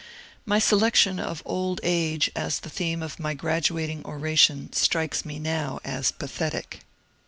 My selection of ^' Old Age " as the theme of my graduating oration strikes me now as pathetic.